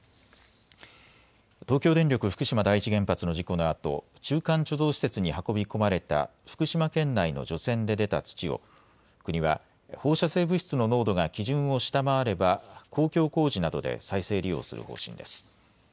東京電力福島第一原発の事故のあと中間貯蔵施設に運び込まれた福島県内の除染で出た土を国は放射性物質の濃度が基準を下回れば公共工事などで再生利用する方針です。